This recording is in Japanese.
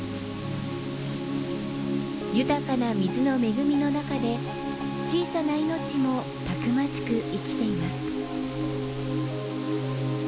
豊かな水の恵みの中で小さな命もたくましく生きています。